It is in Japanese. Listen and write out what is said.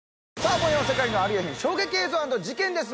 今夜は世界のありえへん衝撃映像＆事件です